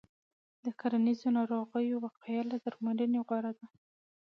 د کرنیزو ناروغیو وقایه له درملنې غوره ده.